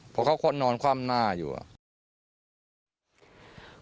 เพราะเขาควรนอนคว่ามหน้าอยู่